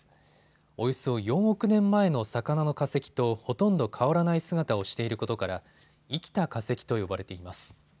およそ４億年前の魚の化石とほとんど変わらない姿をしていることから生きた化石と呼ばれています。